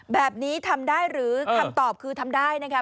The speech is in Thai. แบบนี้ทำได้หรือคำตอบคือทำได้นะคะ